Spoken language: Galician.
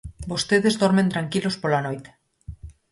Vostedes dormen tranquilos pola noite.